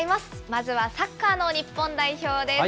まずはサッカーの日本代表です。